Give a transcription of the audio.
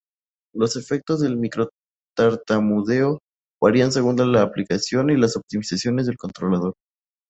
Los efectos del micro tartamudeo varían según la aplicación y las optimizaciones del controlador.